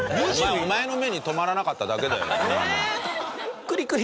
お前の目に留まらなかっただけだよ。